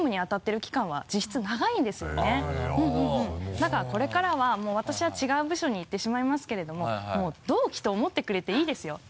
だからこれからはもう私は違う部署に行ってしまいますけれどももう同期と思ってくれていいですよ。